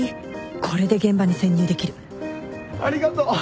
これで現場に潜入できるありがとう。